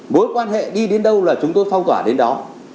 mối quan hệ đi đến đâu là chúng tôi phong tỏa đến đó